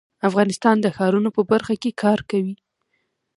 افغانستان د ښارونو په برخه کې کار کوي.